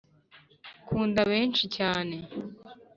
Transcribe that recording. kunda benshi cyane